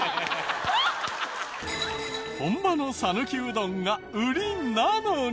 本場の讃岐うどんが売りなのに。